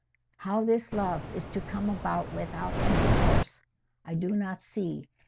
How this love is to come about without intercourse, I do not see.